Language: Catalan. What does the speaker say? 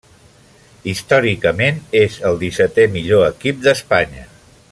Històricament, és el dissetè millor equip d'Espanya.